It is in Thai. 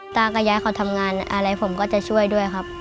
ตากับยายเขาทำงานอะไรผมก็จะช่วยด้วยครับ